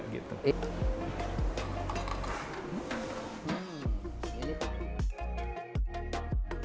untuk melting pot untuk networking untuk memperbanyak memperluas relasi juga gitu